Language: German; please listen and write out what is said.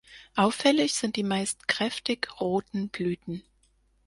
Auffällig sind die meist kräftig-roten Blüten.